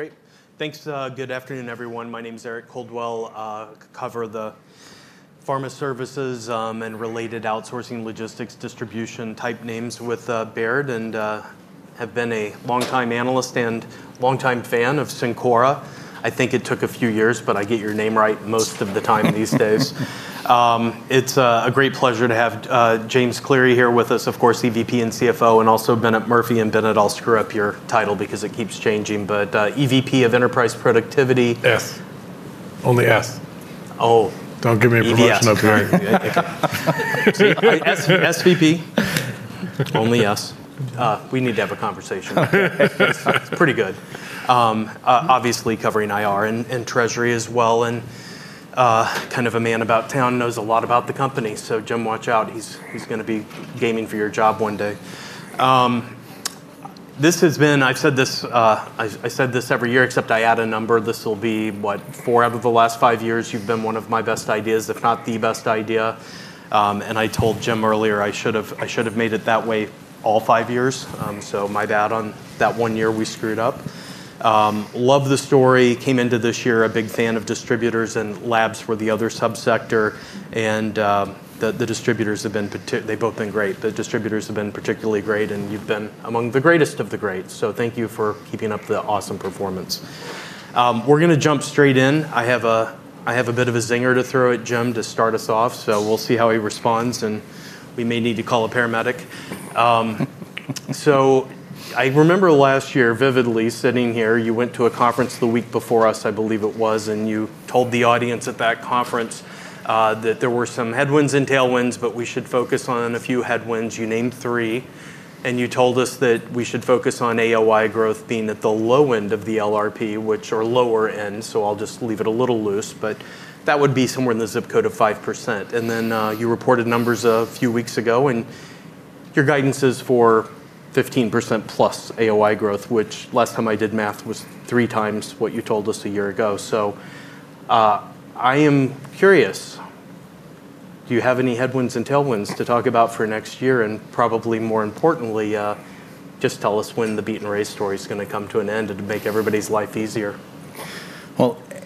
Great. Thanks. Good afternoon, everyone. My name is Eric Coldwell, cover the pharma services and related outsourcing, logistics, distribution type names with Baird and have been a longtime analyst and longtime fan of Cencora. I think it took a few years, but I get your name right most of the time these days. It's a great pleasure to have James Cleary here with us, of course, EVP and CFO, and also Bennett Murphy. Bennett, I'll screw up your title because it keeps changing, but EVP of Enterprise Productivity. S, only S. Oh, don't give me a promotion up here. President, only S. We need to have a conversation. It's pretty good. Obviously covering IR and Treasury as well, and kind of a man about town, knows a lot about the company. Jim, watch out. He's going to be gaming for your job one day. This has been, I've said this, I say this every year, except I add a number. This will be what, four out of the last five years, you've been one of my best ideas, if not the best idea. I told Jim earlier, I should have made it that way all five years. My bad on that one year we screwed up. Love the story. Came into this year a big fan of distributors and labs for the other subsector. The distributors have been, they've both been great. The distributors have been particularly great, and you've been among the greatest of the greats. Thank you for keeping up the awesome performance. We're going to jump straight in. I have a bit of a zinger to throw at Jim to start us off. We'll see how he responds. We may need to call a paramedic. I remember last year vividly sitting here, you went to a conference the week before us, I believe it was, and you told the audience at that conference that there were some headwinds and tailwinds, but we should focus on a few headwinds. You named three. You told us that we should focus on AOI growth being at the low end of the LRP, which are lower end. I'll just leave it a little loose, but that would be somewhere in the zip code of 5%. Then you reported numbers a few weeks ago and your guidance is for 15% plus AOI growth, which last time I did math was three times what you told us a year ago. I am curious, do you have any headwinds and tailwinds to talk about for next year? Probably more importantly, just tell us when the beaten-race story is going to come to an end and make everybody's life easier.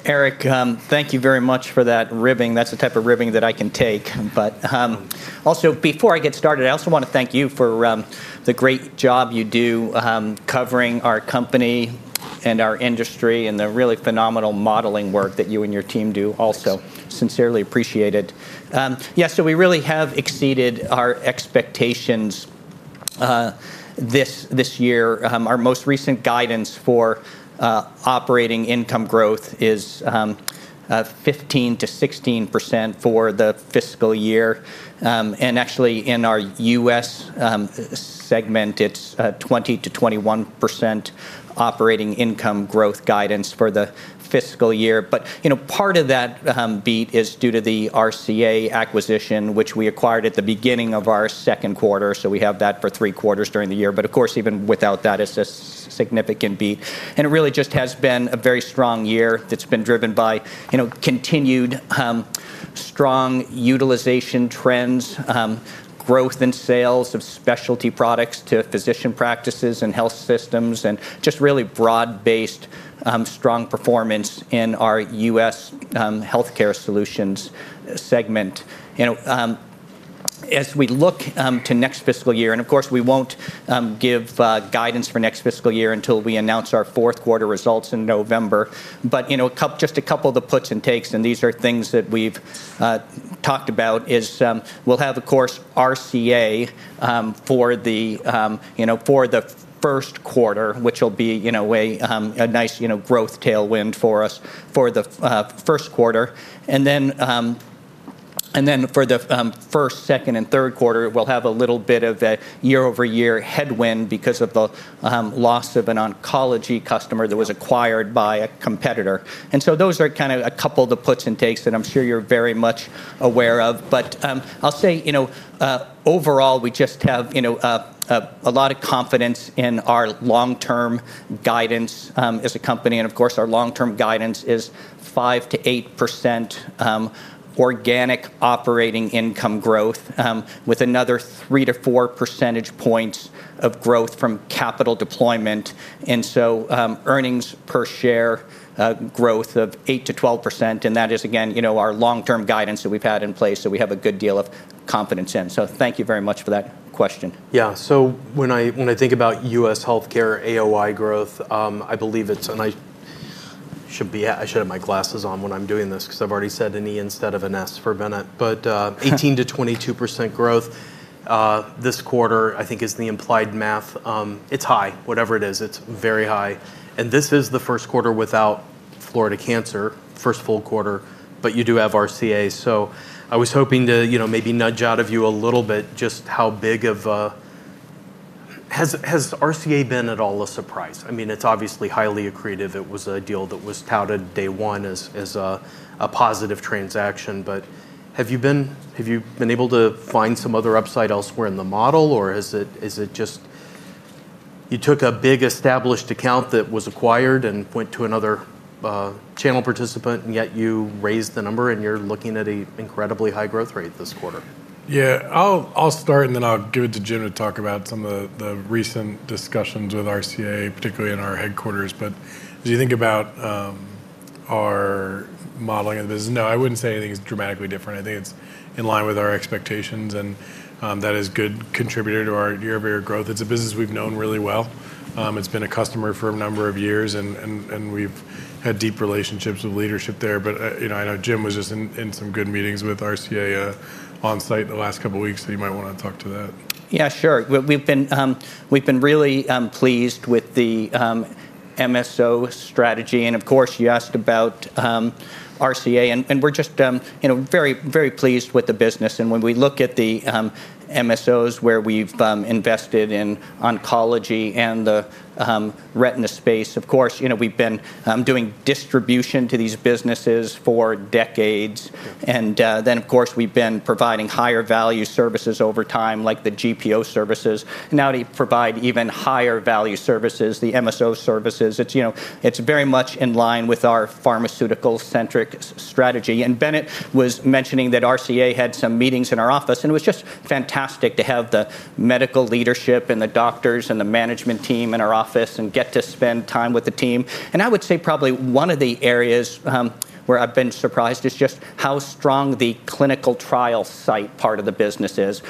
Eric, thank you very much for that ribbing. That's the type of ribbing that I can take. Before I get started, I also want to thank you for the great job you do covering our company and our industry and the really phenomenal modeling work that you and your team do. Also, sincerely appreciate it. Yeah, we really have exceeded our expectations this year. Our most recent guidance for operating income growth is 15% to 16% for the fiscal year. In our US segment, it's 20% to 21% operating income growth guidance for the fiscal year. Part of that beat is due to the RCA acquisition, which we acquired at the beginning of our second quarter. We have that for three quarters during the year. Of course, even without that, it's a significant beat. It really just has been a very strong year that's been driven by continued strong utilization trends, growth in sales of specialty products to physician practices and health systems, and just really broad-based strong performance in our U S Healthcare Solutions segment. As we look to next fiscal year, we won't give guidance for next fiscal year until we announce our fourth quarter results in November. Just a couple of the puts and takes, and these are things that we've talked about, is we'll have RCA for the First Quarter, which will be a nice growth tailwind for us for the First Quarter. For the first, second, and third quarter, we'll have a little bit of a year-over-year headwind because of the loss of an oncology customer that was acquired by a competitor. Those are kind of a couple of the puts and takes that I'm sure you're very much aware of. I'll say, overall, we just have a lot of confidence in our long-term guidance as a company. Our long-term guidance is 5% to 8% organic operating income growth, with another 3 to 4 percentage points of growth from capital deployment, and earnings per share growth of 8% to 12%. That is, again, our long-term guidance that we've had in place, so we have a good deal of confidence in. Thank you very much for that question. Yeah, so when I think about US healthcare AOI growth, I believe it's, and I should have my glasses on when I'm doing this because I've already said an E instead of an S for Bennett, but 18% to 22% growth this quarter, I think is the implied math. It's high, whatever it is, it's very high. This is the First Quarter without Florida Cancer, first full quarter, but you do have RCA. I was hoping to maybe nudge out of you a little bit just how big of a, has RCA been at all a surprise? I mean, it's obviously highly accretive. It was a deal that was touted day one as a positive transaction. Have you been able to find some other upside elsewhere in the model? Or is it just you took a big established account that was acquired and went to another channel participant and yet you raised the number and you're looking at an incredibly high growth rate this quarter? Yeah, I'll start and then I'll give it to Jim to talk about some of the recent discussions with RCA, particularly in our headquarters. As you think about our modeling in the business, no, I wouldn't say anything is dramatically different. I think it's in line with our expectations and that is a good contributor to our year-over-year growth. It's a business we've known really well. It's been a customer for a number of years and we've had deep relationships with leadership there. I know Jim was just in some good meetings with RCA on site the last couple of weeks, so you might want to talk to that. Yeah. Sure. We've been really pleased with the MSO strategy. You asked about RCA and we're just, you know, very, very pleased with the business. When we look at the MSOs where we've invested in oncology and the retina space, we've been doing distribution to these businesses for decades. We've been providing higher value services over time, like the GPO services. Now to provide even higher value services, the MSO services, it's very much in line with our pharmaceutical-centric strategy. Bennett was mentioning that RCA had some meetings in our office. It was just fantastic to have the medical leadership and the doctors and the management team in our office and get to spend time with the team. I would say probably one of the areas where I've been surprised is just how strong the clinical trial site part of the business is.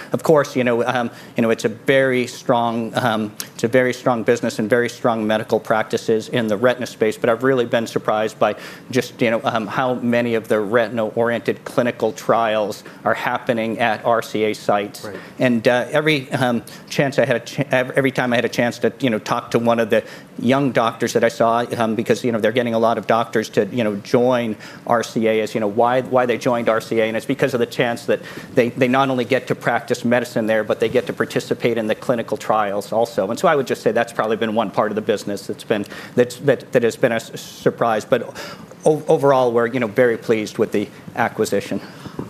It's a very strong business and very strong medical practices in the retina space. I've really been surprised by just how many of the retina-oriented clinical trials are happening at RCA sites. Every time I had a chance to talk to one of the young doctors that I saw, because they're getting a lot of doctors to join RCA, I asked why they joined RCA. It's because of the chance that they not only get to practice medicine there, but they get to participate in the clinical trials also. I would just say that's probably been one part of the business that has been a surprise. Overall, we're very pleased with the acquisition.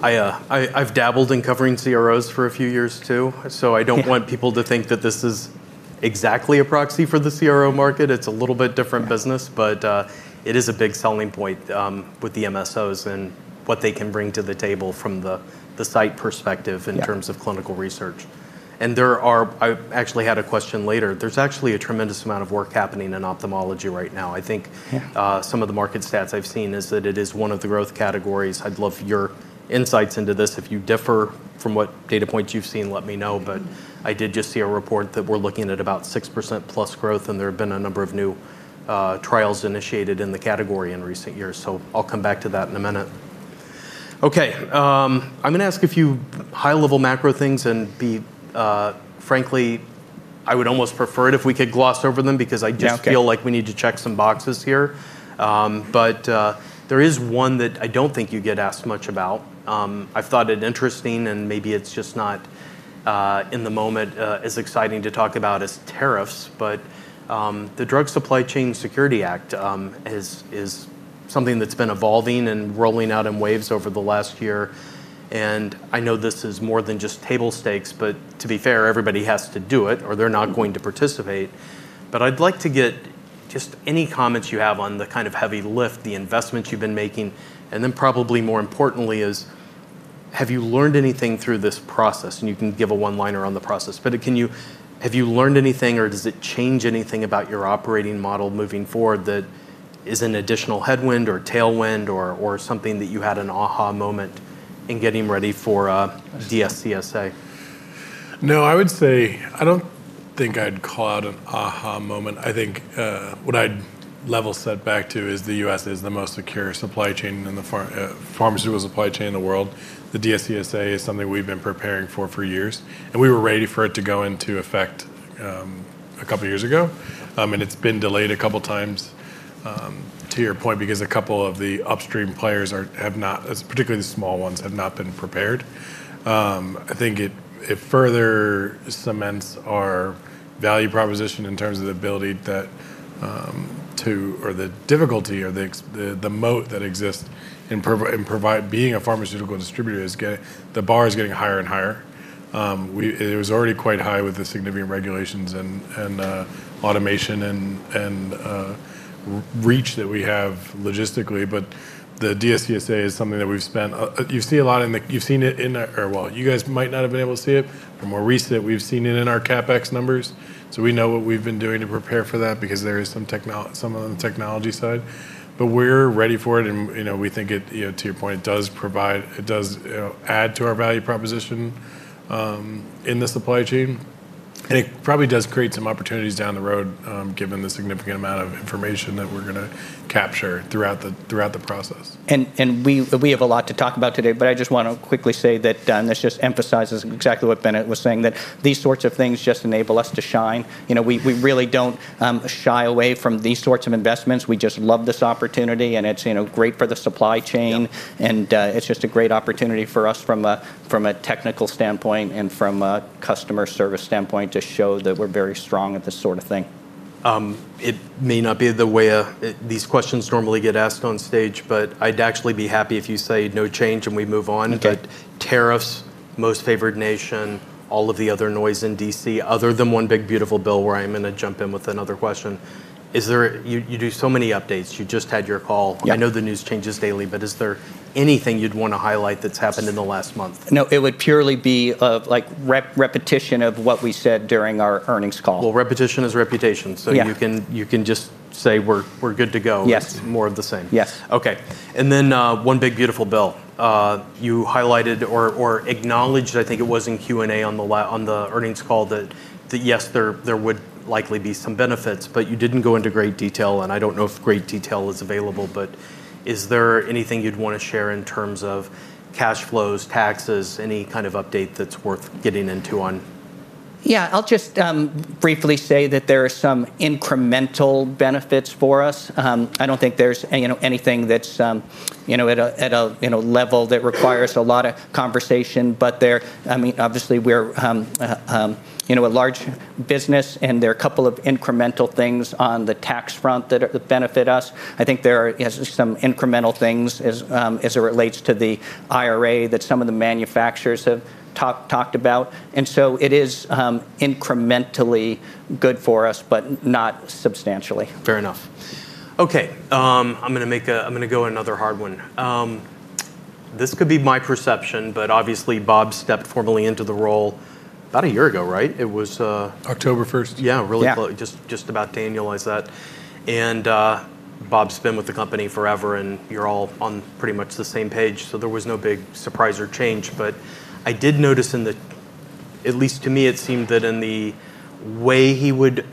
I've dabbled in covering CROs for a few years too. I don't want people to think that this is exactly a proxy for the CRO market. It's a little bit different business, but it is a big selling point with the MSOs and what they can bring to the table from the site perspective in terms of clinical research. There are, I actually had a question later. There's actually a tremendous amount of work happening in ophthalmology right now. I think some of the market stats I've seen is that it is one of the growth categories. I'd love your insights into this. If you differ from what data points you've seen, let me know. I did just see a report that we're looking at about 6%+ growth, and there have been a number of new trials initiated in the category in recent years. I'll come back to that in a minute. I'm going to ask a few high-level macro things and, frankly, I would almost prefer it if we could gloss over them because I just feel like we need to check some boxes here. There is one that I don't think you get asked much about. I've thought it interesting and maybe it's just not in the moment as exciting to talk about as tariffs, but the Drug Supply Chain Security Act is something that's been evolving and rolling out in waves over the last year. I know this is more than just table stakes, but to be fair, everybody has to do it or they're not going to participate. I'd like to get just any comments you have on the kind of heavy lift, the investments you've been making, and then probably more importantly, have you learned anything through this process? You can give a one-liner on the process, but have you learned anything or does it change anything about your operating model moving forward that is an additional headwind or tailwind or something that you had an aha moment in getting ready for DSCSA? No, I would say I don't think I'd call it an aha moment. I think what I'd level set back to is the U.S. is the most secure supply chain in the pharmaceutical supply chain in the world. The DSCSA is something we've been preparing for for years. We were ready for it to go into effect a couple of years ago. It's been delayed a couple of times to your point because a couple of the upstream players, particularly the small ones, have not been prepared. I think it further cements our value proposition in terms of the ability to, or the difficulty or the moat that exists in providing, being a pharmaceutical distributor is getting, the bar is getting higher and higher. It was already quite high with the significant regulations and automation and reach that we have logistically. The DSCSA is something that we've spent, you've seen a lot in the, you've seen it in the, you guys might not have been able to see it. More recently, we've seen it in our CapEx numbers. We know what we've been doing to prepare for that because there is some technology, some of the technology side. We're ready for it. You know, we think it, you know, to your point, it does provide, it does, you know, add to our value proposition in the supply chain. It probably does create some opportunities down the road, given the significant amount of information that we're going to capture throughout the process. We have a lot to talk about today. I just want to quickly say that, and this just emphasizes exactly what Bennett was saying, these sorts of things just enable us to shine. We really don't shy away from these sorts of investments. We just love this opportunity. It's great for the supply chain, and it's just a great opportunity for us from a technical standpoint and from a customer service standpoint to show that we're very strong at this sort of thing. It may not be the way these questions normally get asked on stage, but I'd actually be happy if you say no change and we move on. Tariffs, most favored nation, all of the other noise in D.C., other than one big beautiful bill where I'm going to jump in with another question. Is there, you do so many updates, you just had your call. I know the news changes daily, is there anything you'd want to highlight that's happened in the last month? No, it would purely be like repetition of what we said during our earnings call. Repetition is reputation. You can just say we're good to go. Yes. More of the same. Yes. Okay. One big beautiful bill. You highlighted or acknowledged, I think it was in Q&A on the earnings call that yes, there would likely be some benefits, but you didn't go into great detail. I don't know if great detail is available, but is there anything you'd want to share in terms of cash flows, taxes, any kind of update that's worth getting into on? I'll just briefly say that there are some incremental benefits for us. I don't think there's anything that's at a level that requires a lot of conversation, but obviously we're a large business and there are a couple of incremental things on the tax front that benefit us. I think there are some incremental things as it relates to the IRA that some of the manufacturers have talked about. It is incrementally good for us, but not substantially. Fair enough. Okay. I'm going to make a, I'm going to go another hard one. This could be my perception, but obviously Bob stepped formally into the role about a year ago, right? It was. October 1st. Yeah, really close. Just about, Daniel, is that? Bob's been with the company forever and you're all on pretty much the same page. There was no big surprise or change, but I did notice, at least to me, it seemed that in the way he would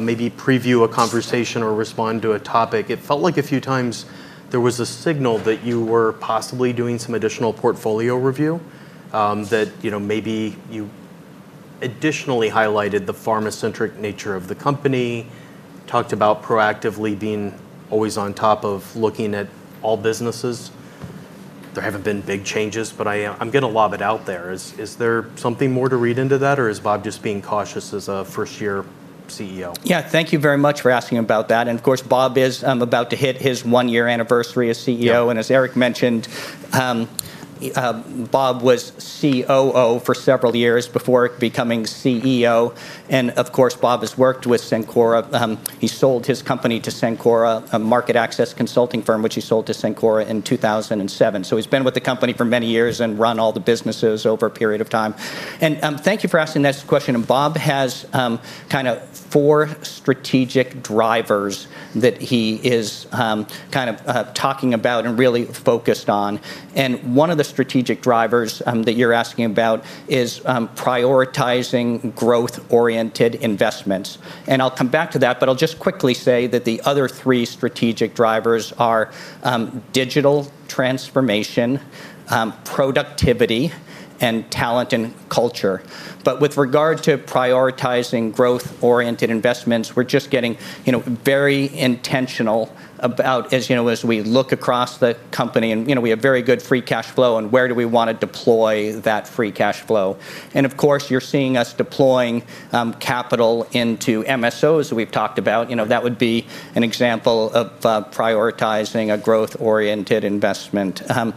maybe preview a conversation or respond to a topic, it felt like a few times there was a signal that you were possibly doing some additional portfolio review. Maybe you additionally highlighted the pharma-centric nature of the company, talked about proactively being always on top of looking at all businesses. There haven't been big changes, but I'm going to lob it out there. Is there something more to read into that or is Bob just being cautious as a first-year CEO? Yeah, thank you very much for asking about that. Of course, Bob is about to hit his one-year anniversary as CEO. As Eric mentioned, Bob was COO for several years before becoming CEO. Of course, Bob has worked with Cencora. He sold his company to Cencora, a market access consulting firm, which he sold to Cencora in 2007. He has been with the company for many years and run all the businesses over a period of time. Thank you for asking that question. Bob has kind of four strategic drivers that he is kind of talking about and really focused on. One of the strategic drivers that you're asking about is prioritizing growth-oriented investments. I'll come back to that, but I'll just quickly say that the other three strategic drivers are digital transformation, productivity, and talent and culture. With regard to prioritizing growth-oriented investments, we're just getting very intentional about, as you know, as we look across the company and we have very good free cash flow and where do we want to deploy that free cash flow. You're seeing us deploying capital into MSOs that we've talked about. That would be an example of prioritizing a growth-oriented investment. A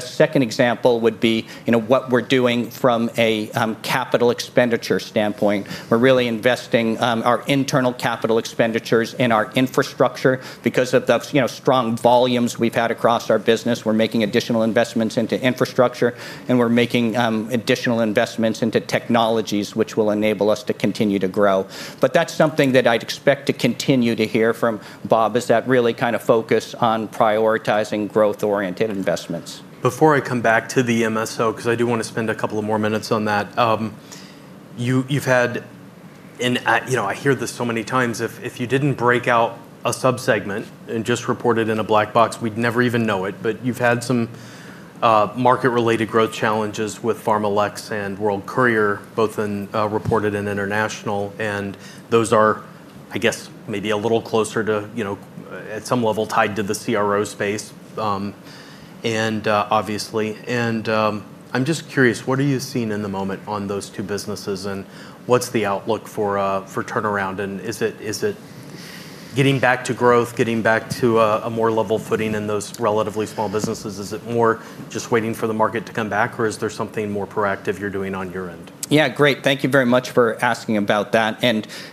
second example would be what we're doing from a capital expenditure standpoint. We're really investing our internal capital expenditures in our infrastructure because of the strong volumes we've had across our business. We're making additional investments into infrastructure and we're making additional investments into technologies, which will enable us to continue to grow. That's something that I'd expect to continue to hear from Bob is that really kind of focus on prioritizing growth-oriented investments. Before I come back to the MSO, because I do want to spend a couple of more minutes on that, you've had, and I hear this so many times, if you didn't break out a subsegment and just report it in a black box, we'd never even know it. You've had some market-related growth challenges with PharmaLex and World Courier, both reported in international. Those are, I guess, maybe a little closer to, at some level tied to the CRO space. Obviously, I'm just curious, what are you seeing in the moment on those two businesses and what's the outlook for turnaround? Is it getting back to growth, getting back to a more level footing in those relatively small businesses? Is it more just waiting for the market to come back or is there something more proactive you're doing on your end? Yeah, great. Thank you very much for asking about that.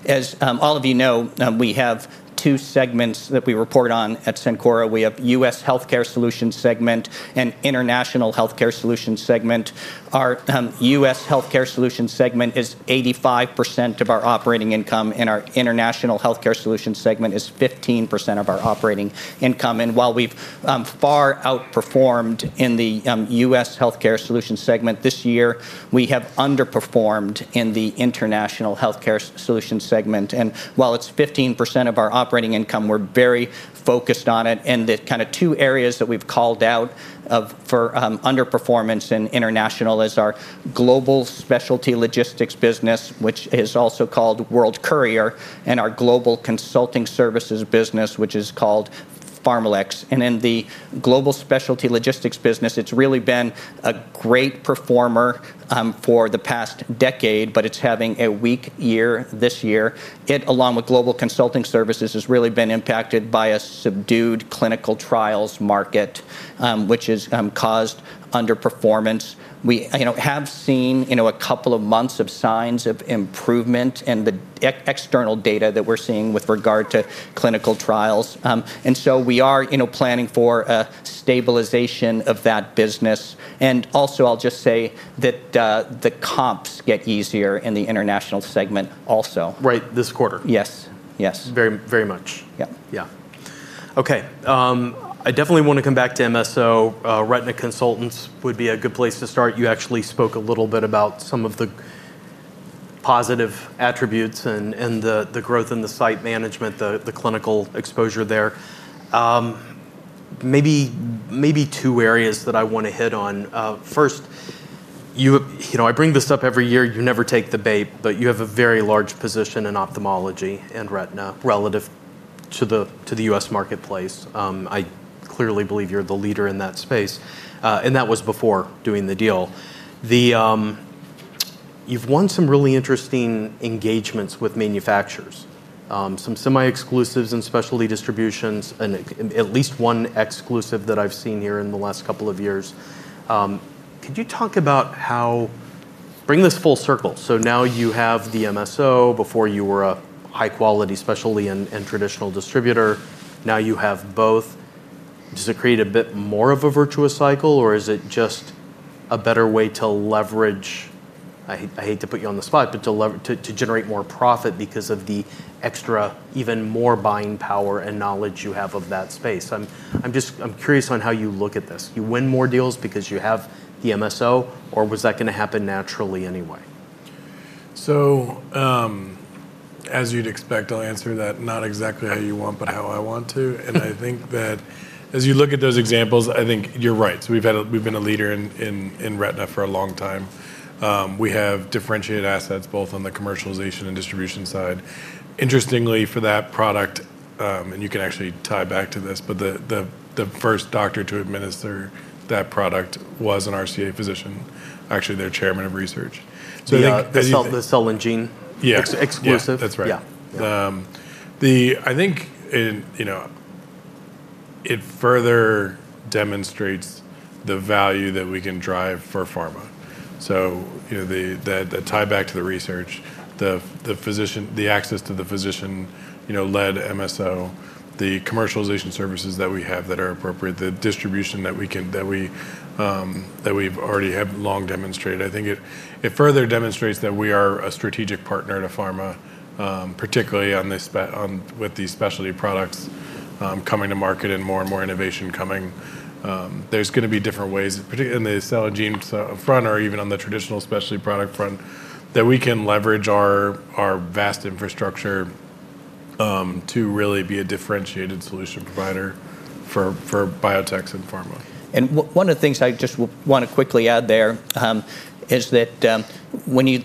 As all of you know, we have two segments that we report on at Cencora. We have the US Healthcare Solutions segment and the International Healthcare Solutions segment. Our US Healthcare Solutions segment is 85% of our operating income and our International Healthcare Solutions segment is 15% of our operating income. While we've far outperformed in the US Healthcare Solutions segment this year, we have underperformed in the International Healthcare Solutions segment. While it's 15% of our operating income, we're very focused on it. The kind of two areas that we've called out for underperformance in International is our global specialty logistics business, which is also called World Courier, and our global consulting services business, which is called PharmaLex. In the global specialty logistics business, it's really been a great performer for the past decade, but it's having a weak year this year. It, along with global consulting services, has really been impacted by a subdued clinical trials market, which has caused underperformance. We have seen a couple of months of signs of improvement in the external data that we're seeing with regard to clinical trials. We are planning for a stabilization of that business. Also, I'll just say that the comps get easier in the International segment also. Right, this quarter. Yes, yes. Very, very much. Yeah. Yeah. Okay. I definitely want to come back to MSO. Retina Consultants would be a good place to start. You actually spoke a little bit about some of the positive attributes and the growth in the site management, the clinical exposure there. Maybe two areas that I want to hit on. First, you know, I bring this up every year, you never take the bait, but you have a very large position in ophthalmology and retina relative to the U.S. marketplace. I clearly believe you're the leader in that space. That was before doing the deal. You've won some really interesting engagements with manufacturers, some semi-exclusives and specialty distributions, and at least one exclusive that I've seen here in the last couple of years. Could you talk about how, bringing this full circle, so now you have the MSO, before you were a high-quality specialty and traditional distributor, now you have both. Does it create a bit more of a virtuous cycle or is it just a better way to leverage, I hate to put you on the spot, but to generate more profit because of the extra, even more buying power and knowledge you have of that space? I'm just, I'm curious on how you look at this. You win more deals because you have the MSO or was that going to happen naturally anyway? As you'd expect, I'll answer that not exactly how you want, but how I want to. I think that as you look at those examples, I think you're right. We've been a leader in retina for a long time. We have differentiated assets both on the commercialization and distribution side. Interestingly, for that product, and you can actually tie back to this, the first doctor to administer that product was an RCA physician, actually their Chairman of Research. You felt the cell and gene exclusive? Yeah, that's right. I think it further demonstrates the value that we can drive for pharma. The tie back to the research, the physician, the access to the physician-led MSO, the commercialization services that we have that are appropriate, the distribution that we've already had long demonstrated. I think it further demonstrates that we are a strategic partner to pharma, particularly with these specialty products coming to market and more and more innovation coming. There's going to be different ways, particularly in the cell and gene front or even on the traditional specialty product front, that we can leverage our vast infrastructure to really be a differentiated solution provider for biotechs and pharma. One of the things I just want to quickly add there is that when you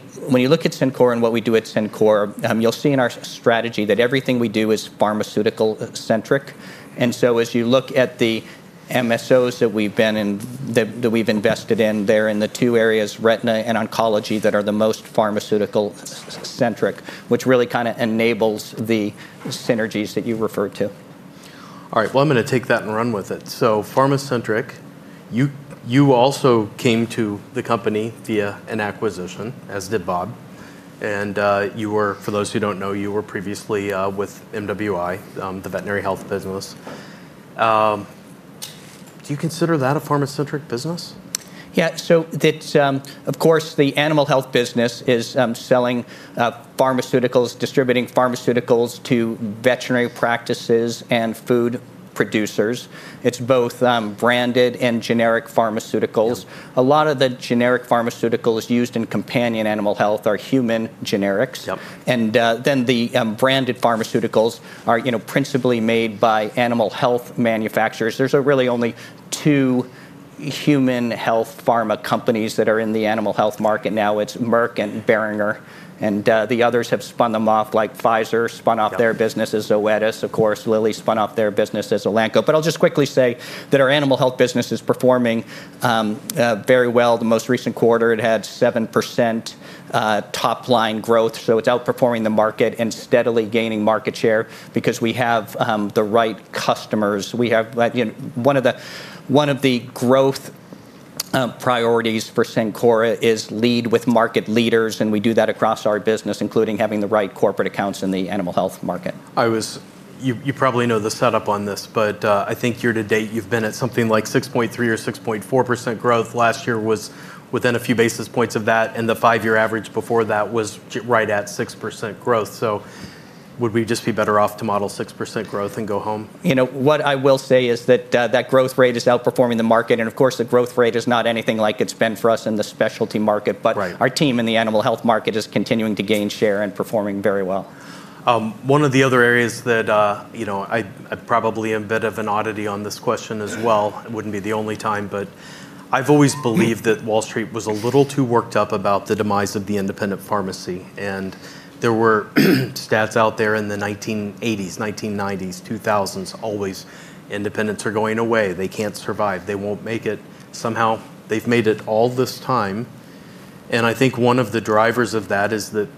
look at Cencora and what we do at Cencora, you'll see in our strategy that everything we do is pharmaceutical-centric. As you look at the MSOs that we've been in, that we've invested in, they're in the two areas, retina and oncology, that are the most pharmaceutical-centric, which really kind of enables the synergies that you referred to. All right, I'm going to take that and run with it. Pharma-centric, you also came to the company via an acquisition, as did Bob. You were, for those who don't know, previously with MWI, the veterinary health business. Do you consider that a pharma-centric business? Yeah, so that's, of course, the animal health business is selling pharmaceuticals, distributing pharmaceuticals to veterinary practices and food producers. It's both branded and generic pharmaceuticals. A lot of the generic pharmaceuticals used in companion animal health are human generics. The branded pharmaceuticals are, you know, principally made by animal health manufacturers. There are really only two human health pharma companies that are in the animal health market now. It's Merck and Boehringer. The others have spun them off, like Pfizer spun off their business, Zoetis, of course, Lilly spun off their business, Elanco. I'll just quickly say that our animal health business is performing very well. The most recent quarter, it had 7% top line growth. It's outperforming the market and steadily gaining market share because we have the right customers. One of the growth priorities for Cencora is lead with market leaders. We do that across our business, including having the right corporate accounts in the animal health market. You probably know the setup on this, but I think year to date, you've been at something like 6.3% or 6.4% growth. Last year was within a few basis points of that, and the five-year average before that was right at 6% growth. Would we just be better off to model 6% growth and go home? What I will say is that that growth rate is outperforming the market. Of course, the growth rate is not anything like it's been for us in the specialty market, but our team in the animal health market is continuing to gain share and performing very well. One of the other areas that, you know, I probably am a bit of an oddity on this question as well, it wouldn't be the only time, but I've always believed that Wall Street was a little too worked up about the demise of the independent pharmacy. There were stats out there in the 1980s, 1990s, 2000s, always independents are going away. They can't survive. They won't make it. Somehow, they've made it all this time. I think one of the drivers of that is that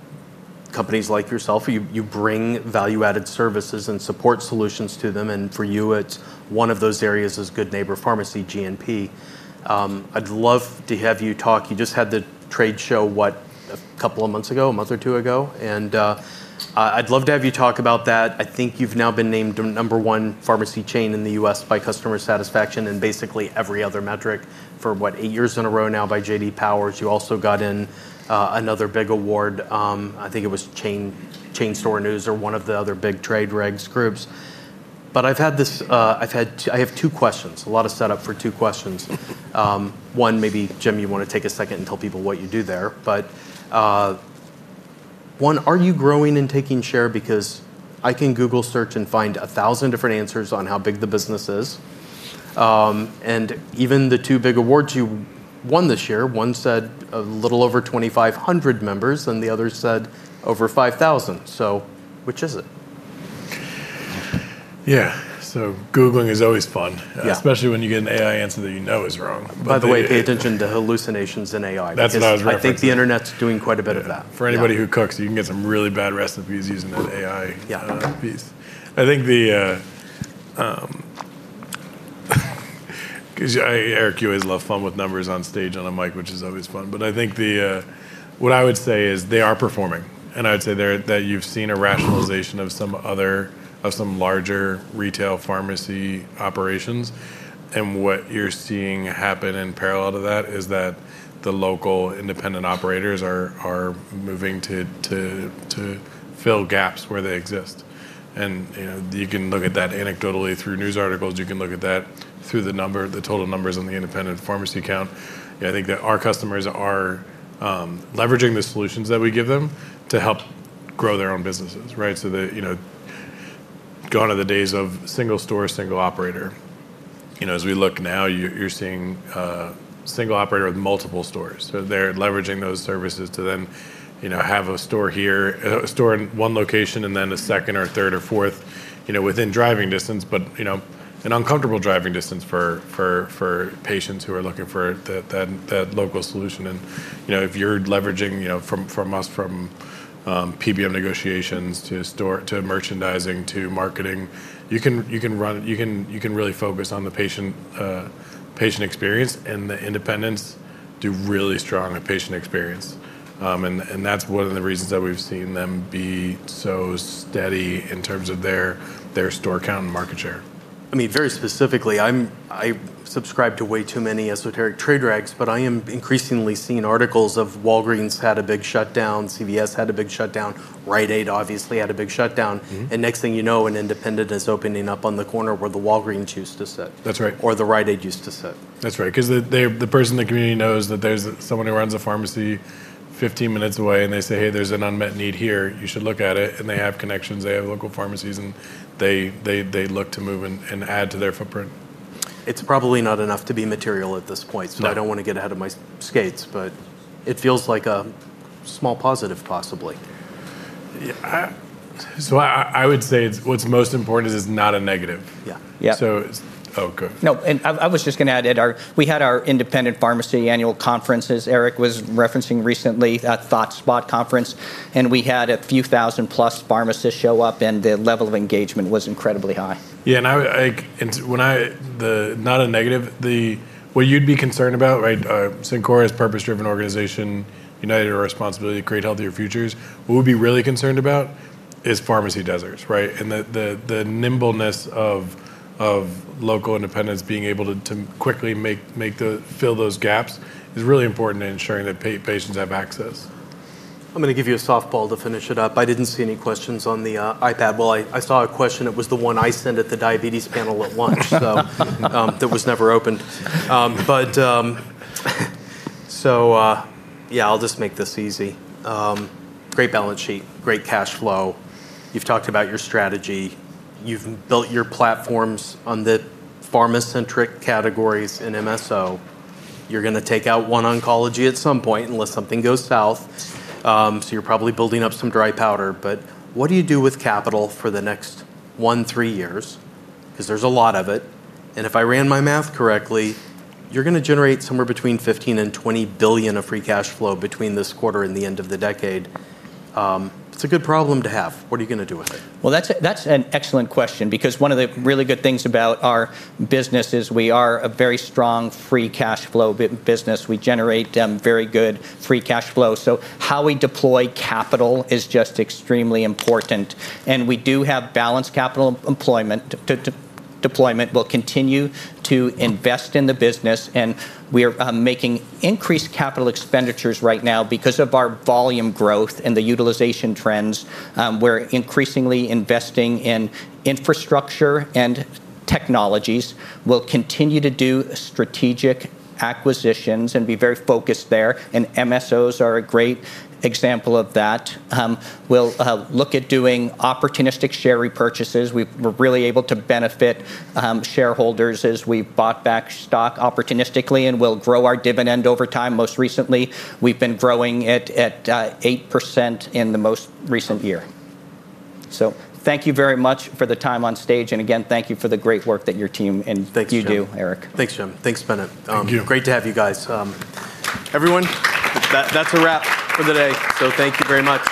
companies like yourself, you bring value-added services and support solutions to them. For you, one of those areas is Good Neighbor Pharmacy, GNP. I'd love to have you talk. You just had the trade show, what, a couple of months ago, a month or two ago. I'd love to have you talk about that. I think you've now been named number one pharmacy chain in the U.S. by customer satisfaction and basically every other metric for what, eight years in a row now by J.D. Powers. You also got in another big award. I think it was Chain Store News or one of the other big trade regs groups. I've had this, I have two questions, a lot of setup for two questions. One, maybe Jim, you want to take a second and tell people what you do there. One, are you growing and taking share? I can Google search and find a thousand different answers on how big the business is. Even the two big awards you won this year, one said a little over 2,500 members and the other said over 5,000. Which is it? Yeah, Googling is always fun, especially when you get an AI answer that you know is wrong. By the way, pay attention to hallucinations in AI. I think the internet is doing quite a bit of that. For anybody who cooks, you can get some really bad recipes using an AI piece. I think, because Eric, you always love fun with numbers on stage on a mic, which is always fun. I think what I would say is they are performing. I would say that you've seen a rationalization of some larger retail pharmacy operations. What you're seeing happen in parallel to that is that the local independent operators are moving to fill gaps where they exist. You can look at that anecdotally through news articles. You can look at that through the total numbers on the independent pharmacy count. I think that our customers are leveraging the solutions that we give them to help grow their own businesses, right? Gone are the days of single store, single operator. As we look now, you're seeing a single operator with multiple stores. They're leveraging those services to then have a store here, a store in one location, and then a second or third or fourth within driving distance, but an uncomfortable driving distance for patients who are looking for that local solution. If you're leveraging from us, from PBM negotiations to store, to merchandising, to marketing, you can really focus on the patient experience. The independents do really strong patient experience, and that's one of the reasons that we've seen them be so steady in terms of their store count and market share. I mean, very specifically, I subscribe to way too many esoteric trade rags, but I am increasingly seeing articles of Walgreens had a big shutdown, CVS had a big shutdown, Rite Aid obviously had a big shutdown. Next thing you know, an independent is opening up on the corner where the Walgreens used to sit. That's right. Where the Rite Aid used to sit. That's right. Because the person in the community knows that there's someone who runs a pharmacy 15 minutes away, and they say, "Hey, there's an unmet need here. You should look at it." They have connections, they have local pharmacies, and they look to move and add to their footprint. It's probably not enough to be material at this point. I don't want to get ahead of my skates, but it feels like a small positive, possibly. I would say what's most important is it's not a negative. Yeah. Oh, good. No, I was just going to add, we had our independent pharmacy annual conferences. Eric was referencing recently that ThoughtSpot conference. We had a few thousand plus pharmacists show up, and the level of engagement was incredibly high. When I, not a negative, what you'd be concerned about, right? Cencora is a purpose-driven organization, united responsibility to create healthier futures. What we'd be really concerned about is pharmacy deserts, right? The nimbleness of local independents being able to quickly fill those gaps is really important in ensuring that patients have access. I'm going to give you a softball to finish it up. I didn't see any questions on the iPad. I saw a question. It was the one I sent at the diabetes panel at lunch. That was never open. I'll just make this easy. Great balance sheet, great cash flow. You've talked about your strategy. You've built your platforms on the pharma-centric categories in MSO. You're going to take out one oncology at some point unless something goes south. You're probably building up some dry powder. What do you do with capital for the next one, three years? There's a lot of it. If I ran my math correctly, you're going to generate somewhere between $15 billion and $20 billion of free cash flow between this quarter and the end of the decade. It's a good problem to have. What are you going to do with it? That's an excellent question because one of the really good things about our business is we are a very strong free cash flow business. We generate very good free cash flow. How we deploy capital is just extremely important. We do have balanced capital employment. Deployment will continue to invest in the business. We are making increased capital expenditures right now because of our volume growth and the utilization trends. We're increasingly investing in infrastructure and technologies. We'll continue to do strategic acquisitions and be very focused there. MSOs are a great example of that. We'll look at doing opportunistic share repurchases. We're really able to benefit shareholders as we bought back stock opportunistically and will grow our dividend over time. Most recently, we've been growing it at 8% in the most recent year. Thank you very much for the time on stage. Again, thank you for the great work that your team and you do, Eric. Thanks, James. Thanks, Bennett. Great to have you guys. Everyone, that's a wrap for the day. Thank you very much.